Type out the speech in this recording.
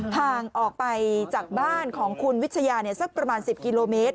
ห่างออกไปจากบ้านของคุณวิชยาสักประมาณ๑๐กิโลเมตร